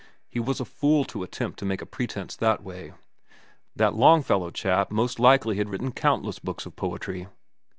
He was a fool to attempt to make a pretence that way. That Longfellow chap most likely had written countless books of poetry.